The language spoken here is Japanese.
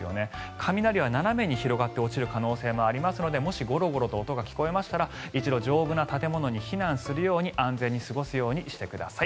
雷は斜めに広がって落ちる可能性がありますのでもし、ゴロゴロと音が聞こえましたら一度、丈夫な建物に避難するように、安全に過ごすようにしてください。